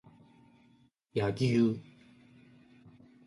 柳生